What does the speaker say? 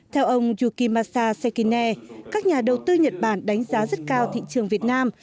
theo ông yuki masa sekine các nhà đầu tư nhật bản đánh giá rất cao thị trường việt nam